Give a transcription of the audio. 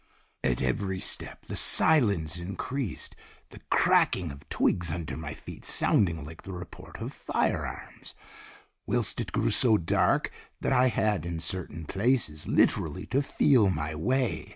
"'At every step the silence increased, the cracking of twigs under my feet sounding like the report of firearms, whilst it grew so dark that I had in certain places literally to feel my way.